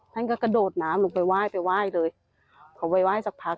ท่านก็กระโดดน้ำลงไปว่ายไปว่ายเลยเขาไปว่ายสักพัก